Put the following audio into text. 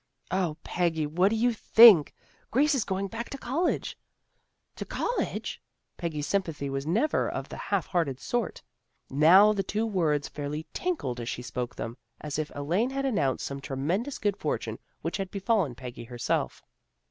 "O, Peggy! What do you think? Grace is going back to college." " To college! " Peggy's sympathy was never of the half hearted sort. Now the two words fairly tinkled as she spoke them, as if Elaine had announced some tremendous good fortune which had befallen Peggy herself.